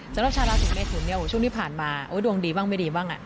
สำหรับชาวราศีเมทุนเนี่ยช่วงที่ผ่านมาดวงดีบ้างไม่ดีบ้าง